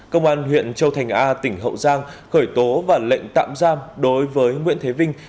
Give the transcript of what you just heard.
công an huyện châu thành a tỉnh hậu giang khởi tố và lệnh tạm giam đối với nguyễn thế vinh